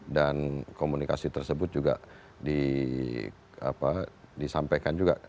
dan komunikasi tersebut juga disampaikan juga